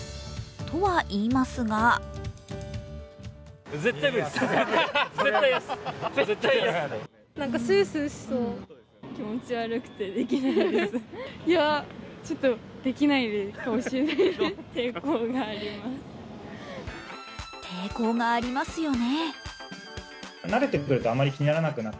とはいいますが抵抗がありますよね。